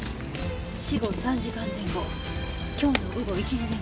死後３時間前後今日の午後１時前後。